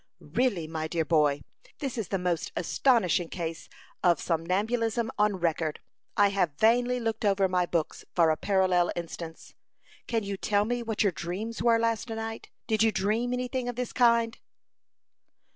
Really, my dear boy, this is the most astonishing case of somnambulism on record. I have vainly looked over my books for a parallel instance. Can you tell me what your dreams were last night? Did you dream any thing of this kind?"